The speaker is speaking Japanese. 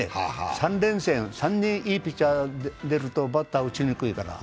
３連戦、３人いいピッチャー出るとバッター出にくいから。